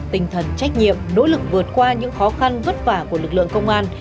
tinh thần trách nhiệm nỗ lực vượt qua những khó khăn vất vả của lực lượng công an